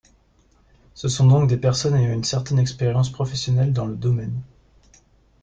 Ce sont donc des personnes ayant une certaine expérience professionnelle dans le domaine.